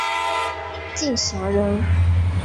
敬翔人。